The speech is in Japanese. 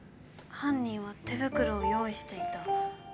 犯人は手袋を用意していた。